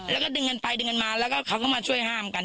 แล้วก็ดึงกันไปดึงกันมาแล้วก็เขาก็มาช่วยห้ามกัน